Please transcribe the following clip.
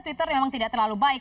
twitter memang tidak terlalu baik